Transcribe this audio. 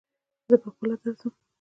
زه پهخپله درځم.